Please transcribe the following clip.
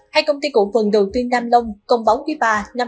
hai công ty cổ phần đầu tư nam long công báo quý ba năm hai nghìn hai mươi ba